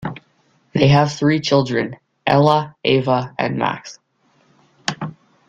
They have three children-Ella, Ava and Max.